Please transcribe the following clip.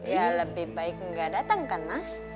ya lebih baik enggak dateng kan mas